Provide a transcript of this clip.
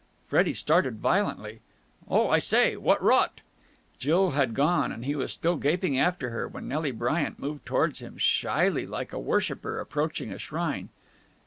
Freddie started violently. "Oh, I say! What rot!" Jill had gone, and he was still gaping after her, when Nelly Bryant moved towards him shyly, like a worshipper approaching a shrine.